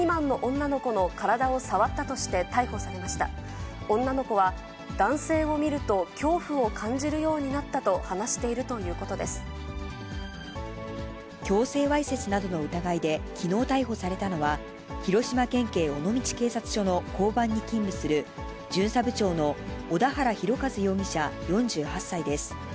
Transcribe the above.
女の子は男性を見ると恐怖を感じるようになったと話しているとい強制わいせつなどの疑いできのう逮捕されたのは、広島県警尾道警察署の交番に勤務する巡査部長の小田原弘和容疑者４８歳です。